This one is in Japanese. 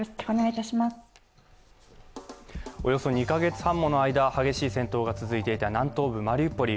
およそ２ヶ月半もの間激しい戦闘が続いていた南東部マリウポリ